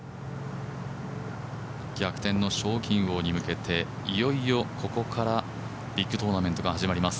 逆転の賞金王に向けていよいよここからビッグトーナメントが始まります。